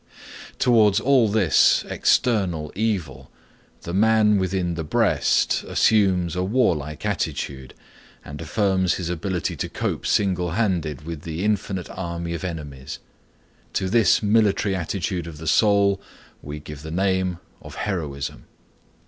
Towards all this external evil the man within the breast assumes a warlike attitude, and affirms his ability to cope single handed with the infinite army of enemies. To this military attitude of the soul we give the name of Heroism.